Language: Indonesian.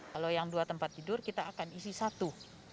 kalau yang dua tempat tidur kita akan isi satu